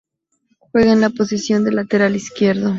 Juega en la posición de lateral izquierdo.